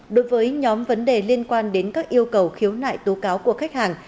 đối với nhóm vấn đề liên quan đến các yêu cầu khiếu nại tố cáo của khách hàng